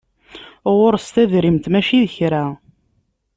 Ɣures tadrimt mačči d kra.